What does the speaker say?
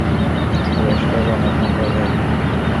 কুরাইশরা রণে ভঙ্গ দেয়।